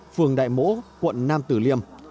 phường đại mỗ quận năm từ liêm